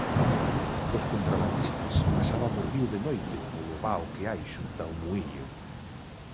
Os contrabandistas pasaban o río de noite polo vao que hai xunta o muíño.